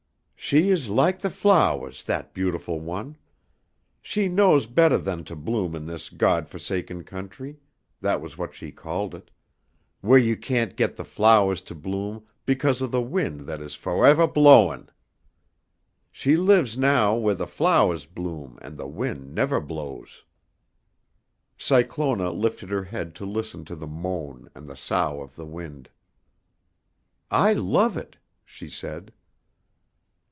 "She is laik the flowahs, that beautiful one. She knows bettah than to bloom in this God fo'saken country that was what she called it wheah you cain't get the flowahs to bloom because of the wind that is fo'evah blowin'. She lives now wheah the flowahs bloom and the wind nevah blows." Cyclona lifted her head to listen to the moan and the sough of the wind. "I love it," she said.